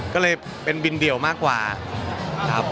ก็เลยเป็นบินเดี่ยวมากกว่าครับ